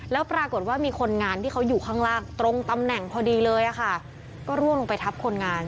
แล้วปรากฏว่ามีคนงานที่เขาอยู่ข้างล่างตรงตำแหน่งพอดีเลยค่ะก็ร่วงลงไปทับคนงาน